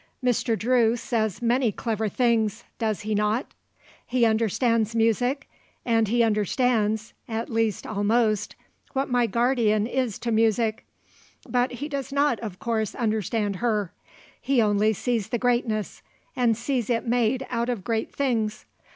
Mr. Drew says many clever things, does he not; he understands music and he understands at least almost what my guardian is to music; but he does not, of course, understand her. He only sees the greatness and sees it made out of great things.